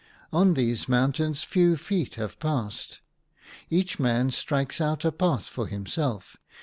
On these mountains few feet have passed ; each man strikes out a path for himself.